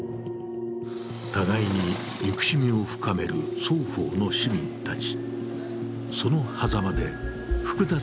互いに憎しみを深める双方の市民たち。